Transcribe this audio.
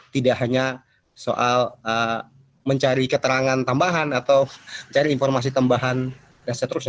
tidak hanya soal mencari keterangan tambahan atau mencari informasi tambahan dan seterusnya